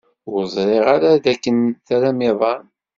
Ur ẓriɣ ara dakken tram iḍan.